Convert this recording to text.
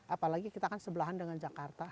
apalagi kita kan sebelahan dengan jakarta